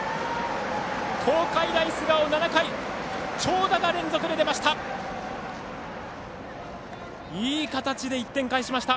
東海大菅生、７回長打が連続で出ました！